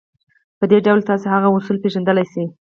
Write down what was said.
په دې ډول تاسې هغه اصول پېژندلای شئ.